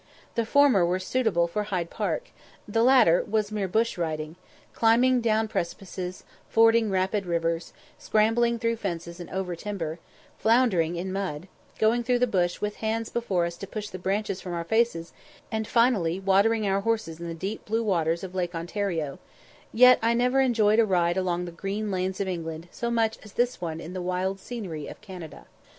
The former were suitable for Hyde Park; the latter was mere bush riding climbing down precipices, fording rapid rivers, scrambling through fences and over timber, floundering in mud, going through the bush with hands before us to push the branches from our faces, and, finally, watering our horses in the blue, deep waters of Lake Ontario yet I never enjoyed a ride along the green lanes of England so much as this one in the wild scenery of Canada.